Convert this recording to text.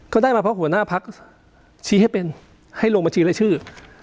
ก็ได้มาเพราะหัวหน้าพักชี้ให้เป็นให้ลงบัญชีรายชื่อ